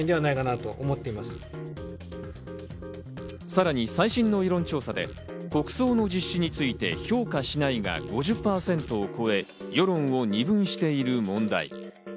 さらに最新の世論調査で国葬の実施について評価しないが５０％を超え、世論を二分している問題。